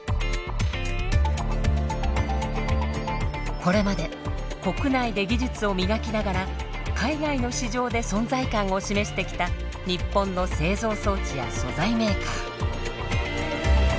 これまで国内で技術を磨きながら海外の市場で存在感を示してきた日本の製造装置や素材メーカー。